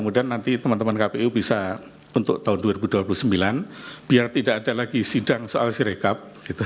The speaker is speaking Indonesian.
nanti teman teman kpu bisa untuk tahun dua ribu dua puluh sembilan biar tidak ada lagi sidang soal sirekap